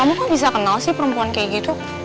kamu kan bisa kenal sih perempuan kayak gitu